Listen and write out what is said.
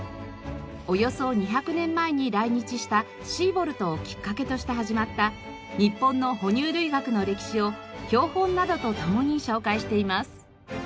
およそ２００年前に来日したシーボルトをきっかけとして始まった日本の哺乳類学の歴史を標本などとともに紹介しています。